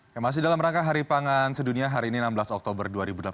yang masih dalam rangka hari pangan sedunia hari ini enam belas oktober dua ribu delapan belas